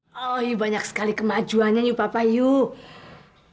hai banyak sekali kemajuan ryan papa yuh